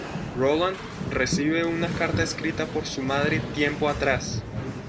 Roland recibe una carta escrita por su madre tiempo atrás.